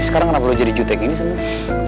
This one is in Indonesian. sekarang kenapa lo jadi cutek gini semua